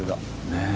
ねえ。